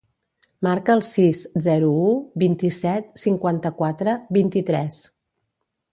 Marca el sis, zero, u, vint-i-set, cinquanta-quatre, vint-i-tres.